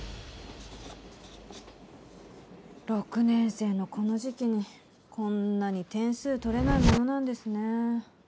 ６年生のこの時期にこんなに点数取れないものなんですね。